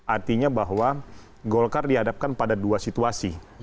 artinya bahwa golkar dihadapkan pada dua situasi